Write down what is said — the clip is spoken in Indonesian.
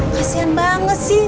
kasian banget sih